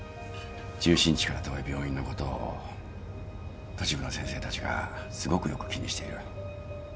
中心地から遠い病院のことを都市部の先生たちがすごくよく気にしている。